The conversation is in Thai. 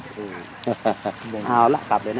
สวัสดีครับทุกคน